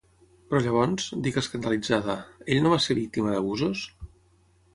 Però llavors —dic, escandalitzada—, ell no va ser víctima d'abusos?